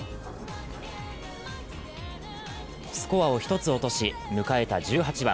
スコアを１つ落とし、迎えた１８番。